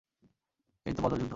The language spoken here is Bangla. এই তো বদর যুদ্ধ।